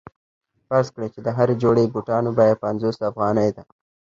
فرض کړئ چې د هرې جوړې بوټانو بیه پنځوس افغانۍ ده